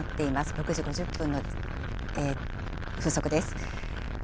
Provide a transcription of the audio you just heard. ６時５０分の風速です。